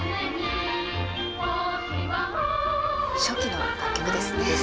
初期の楽曲ですね。